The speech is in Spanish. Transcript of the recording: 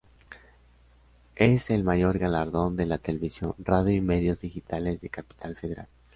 Es el mayor galardón de la televisión, radio y medios digitales de Capital Federal.